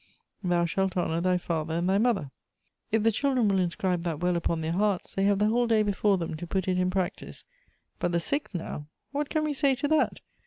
'Thou shalt honor thy father and thy mother.' If the children will inscribe that well upon their hearts, they have the whole day before them to put it in j)rac tice. But the sixth now? What can we say to that?